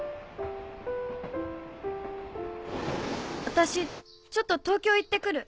私ちょっと東京行って来る。